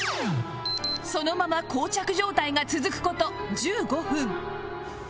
そのままこう着状態が続く事１５分